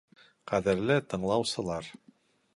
Ҡәҙерле тыңлаусылар!